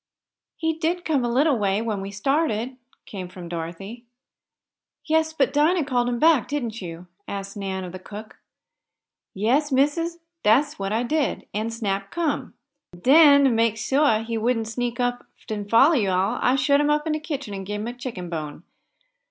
"He did come a little way, when we started," came from Dorothy. "Yes, but Dinah called him back; didn't you?" asked Nan of the cook. "Yes, missis, dat's what I did. An' Snap come. Den, t' make suah he wouldn't sneak off an' foller yo' all, I shut him up in de kitchen an' gibe him a chicken bone.